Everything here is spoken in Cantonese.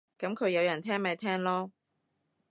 噉佢有人聽咪聽囉